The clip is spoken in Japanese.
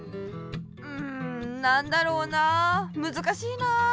うんなんだろうなあむずかしいなあ。